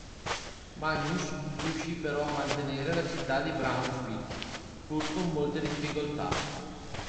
Magnus riuscì però a mantenere la città di Braunschweig, pur con molte difficoltà.